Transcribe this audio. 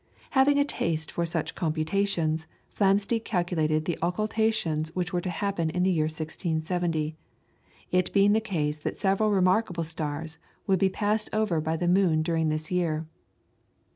Having a taste for such computations, Flamsteed calculated the occultations which were to happen in the year 1670, it being the case that several remarkable stars would be passed over by the moon during this year.